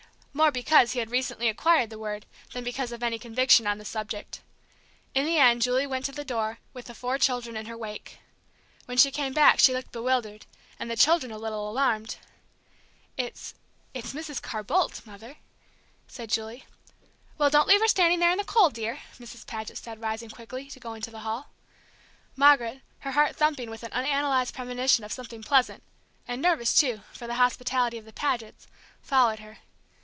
more because he had recently acquired the word than because of any conviction on the subject. In the end Julie went to the door, with the four children in her wake. When she came back, she looked bewildered, and the children a little alarmed. "It's it's Mrs. Carr Boldt, Mother," said Julie. "Well, don't leave her standing there in the cold, dear!" Mrs. Paget said, rising quickly, to go into the hall. Margaret, her heart thumping with an unanalyzed premonition of something pleasant, and nervous, too, for the hospitality of the Pagets, followed her.